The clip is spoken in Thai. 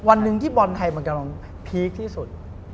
วันหนึ่งที่บอลไทยมันกำลังพีคที่สุด